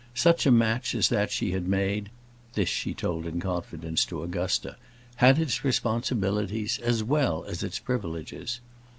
Such a match as that she had made this she told in confidence to Augusta had its responsibilities as well as its privileges.